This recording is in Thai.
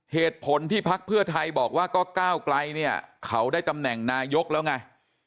เหตุผลที่พักเพื่อไทยบอกว่าก็ก้าวไกลเนี่ยเขาได้ตำแหน่งนายกแล้วไง